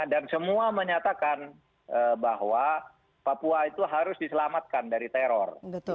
semua menyatakan bahwa papua itu harus diselamatkan dari teror